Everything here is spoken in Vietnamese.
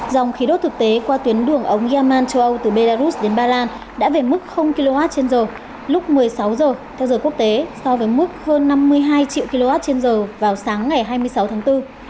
dòng khí đốt thực tế qua tuyến đường ống yaman châu âu từ belarus đến ba lan đã về mức kwh lúc một mươi sáu h theo giờ quốc tế so với mức hơn năm mươi hai triệu kwh vào sáng ngày hai mươi sáu tháng bốn